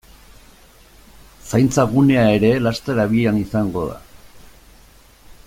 Zaintza gunea ere laster abian izango da.